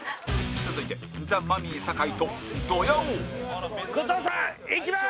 続いてザ・マミィ酒井とドヤ王酒井：後藤さん、いきまーす！